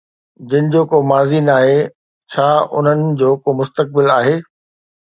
جن جو ڪو ماضي ناهي، ڇا انهن جو ڪو مستقبل آهي؟